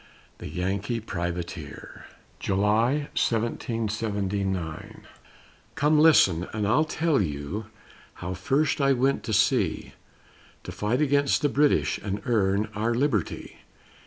THE YANKEE PRIVATEER [July, 1779] Come listen and I'll tell you How first I went to sea, To fight against the British And earn our liberty.